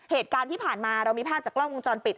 เหตุการณ์ที่ผ่านมาเรามีภาพจากกล้องวงจรปิด